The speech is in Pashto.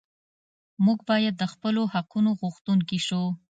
موږ باید د خپلو حقونو غوښتونکي شو.